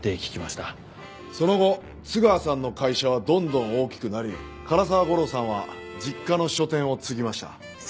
その後津川さんの会社はどんどん大きくなり唐沢吾郎さんは実家の書店を継ぎました。